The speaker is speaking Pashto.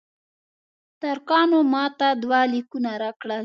ترکانو ماته دوه لیکونه راکړل.